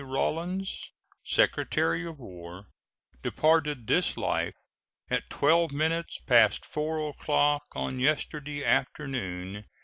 Rawlins, Secretary of War, departed this life at twelve minutes past 4 o'clock on yesterday afternoon.